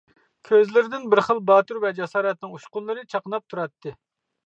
كۆزلىرىدىن بىر خىل باتۇر ۋە جاسارەتنىڭ ئۇچقۇنلىرى چاقناپ تۇراتتى.